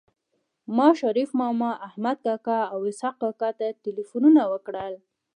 ما شريف ماما احمد کاکا او اسحق کاکا ته ټيليفونونه وکړل